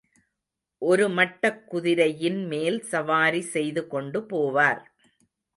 ஒரு மட்டக் குதிரையின்மேல் சவாரி செய்து கொண்டு போவார்.